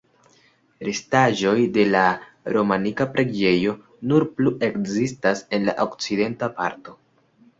Restaĵoj de la romanika preĝejo nur plu ekzistas en la okcidenta parto.